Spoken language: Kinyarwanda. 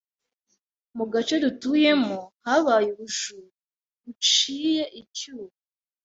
Mu gace dutuyemo habaye ubujura buciye icyuho.